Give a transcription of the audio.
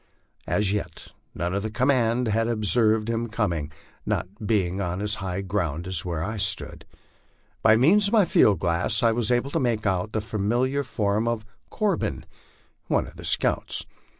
As yet none of the command had observed his coming, not being on as high ground as where I stood. By means of my field glass I was able to make out the familiar form of " Cor bin," one of the scouts.